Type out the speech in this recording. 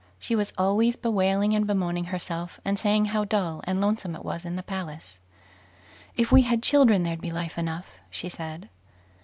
She was always bewailing and bemoaning herself, and saying how dull and lonesome it was in the palace. "If we had children there'd be life enough", she said.